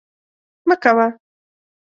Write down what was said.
مه کوه